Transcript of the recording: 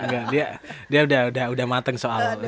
gak gak dia udah mateng soal secara pikiran